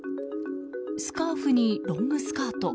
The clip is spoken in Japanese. スカーフにロングスカート。